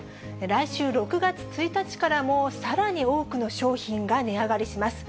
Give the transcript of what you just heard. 来週６月１日からも、さらに多くの商品が値上がりします。